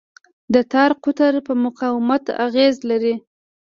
د تار قطر په مقاومت اغېز لري.